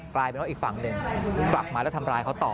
กลายเป็นว่าอีกฝั่งหนึ่งกลับมาแล้วทำร้ายเขาต่อ